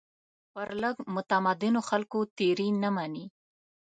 پر لږ متمدنو خلکو تېري نه مني.